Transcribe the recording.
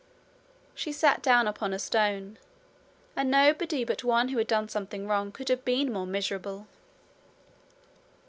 She sat down upon a stone, and nobody but one who had done something wrong could have been more miserable.